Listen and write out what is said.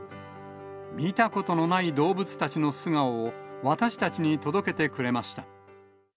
見たことのない動物たちの素顔を、私たちに届けてくれました。